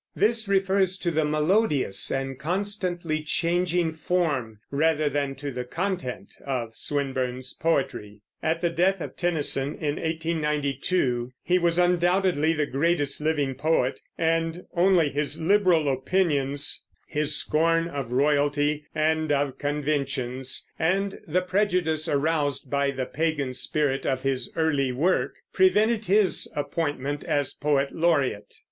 This refers to the melodious and constantly changing form rather than to the content of Swinburne's poetry. At the death of Tennyson, in 1892, he was undoubtedly the greatest living poet, and only his liberal opinions, his scorn of royalty and of conventions, and the prejudice aroused by the pagan spirit of his early work prevented his appointment as poet laureate.